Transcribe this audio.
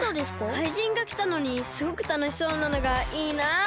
怪人がきたのにすごくたのしそうなのがいいなって。